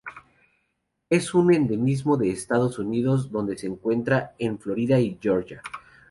Es un endemismo de Estados Unidos donde se encuentra en Florida y Georgia.